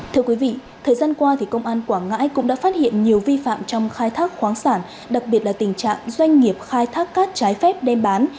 thưa quý vị thời gian qua công an quảng ngãi cũng đã phát hiện nhiều vi phạm trong khai thác khoáng sản đặc biệt là tình trạng doanh nghiệp khai thác cát trái phép đem bán